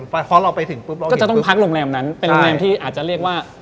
เพราะเราไปถึงปุ๊บเราก็จะต้องพักโรงแรมนั้นเป็นโรงแรมที่อาจจะเรียกว่า